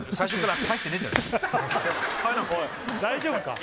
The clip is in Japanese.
大丈夫か？